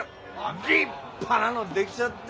立派なの出来ちゃって。